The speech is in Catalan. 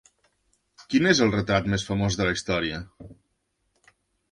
Quin és el retrat més famós de la història?